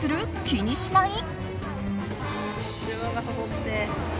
気にしない？